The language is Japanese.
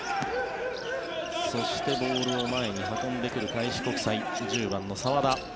そして、ボールを前に運んでくる開志国際１０番の澤田。